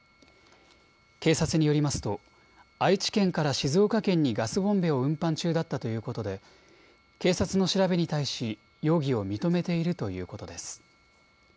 警察によりますと愛知県から静岡県にガスボンベを運搬中だったということで警察の調べに対し容疑を認めているということです。